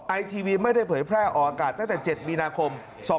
ไอทีวีไม่ได้เผยแพร่ออกอากาศตั้งแต่๗มีนาคม๒๕๖